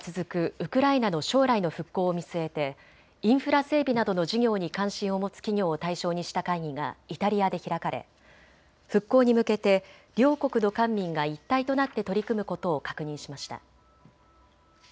ウクライナの将来の復興を見据えてインフラ整備などの事業に関心を持つ企業を対象にした会議がイタリアで開かれ、復興に向けて両国の官民が一体となって取り組むことを確認しました。